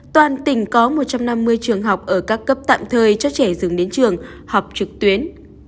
toàn tỉnh có một trăm năm mươi trường học ở các cấp tạm thời cho trẻ dừng đến trường học trực tuyến